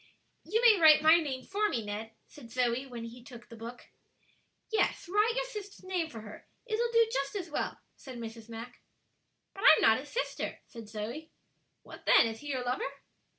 "You may write my name for me, Ned," said Zoe, when he took the book. "Yes, write your sister's name for her; it'll do just as well," said Mrs. Mack. "But I'm not his sister," said Zoe. "What, then? is he your lover?"